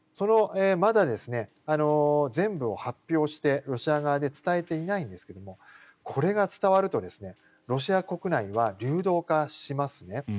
まだ全部を発表してロシア側で伝えていないですがこれが伝わるとロシア国内は流動化しますね。